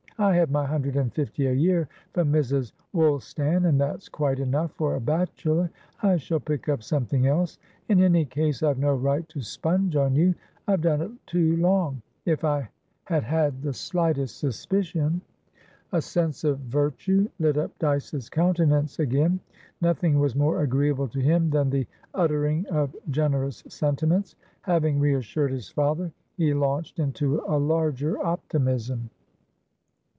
I have my hundred and fifty a year from Mrs. Woolstan, and that's quite enough for a bachelor. I shall pick up something else. In any case, I've no right to sponge on you; I've done it too long. If I had had the slightest suspicion" A sense of virtue lit up Dyce's countenance again. Nothing was more agreeable to him than the uttering of generous sentiments. Having reassured his father, he launched into a larger optimism.